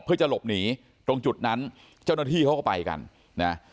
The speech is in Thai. เพื่อจะหลบหนีตรงจุดนั้นเจ้าหน้าที่เขาก็ไปกันนะ